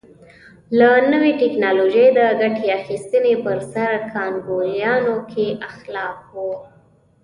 له نوې ټکنالوژۍ د ګټې اخیستنې پر سر کانګویانو کې اختلاف و.